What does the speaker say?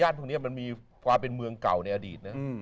พวกนี้มันมีความเป็นเมืองเก่าในอดีตนะ